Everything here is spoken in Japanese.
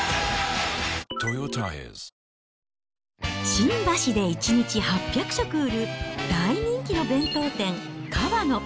新橋で１日８００食売る、大人気の弁当店、かわの。